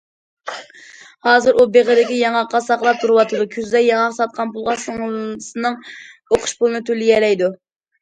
ھازىر ئۇ بېغىدىكى ياڭاققا ساقلاپ تۇرۇۋاتىدۇ، كۈزدە ياڭاق ساتقان پۇلغا سىڭلىسىنىڭ ئوقۇش پۇلىنى تۆلىيەلەيدۇ.